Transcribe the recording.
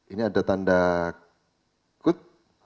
ini ada tanda kut